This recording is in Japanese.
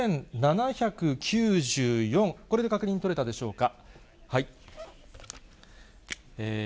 これで確認取れたでしょうか。